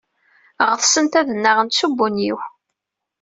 Ɣetsent ad nnaɣent s ubunyiw.